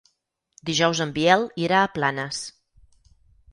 Dijous en Biel irà a Planes.